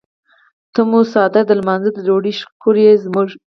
ته مو څادر د لمانځۀ د ډوډۍ شکور یې زموږ.